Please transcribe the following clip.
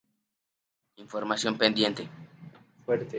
Información pendiente...